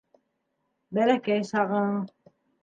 Бәләкәй сағың.